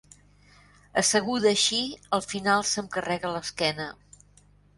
Asseguda així, al final se'm carrega l'esquena.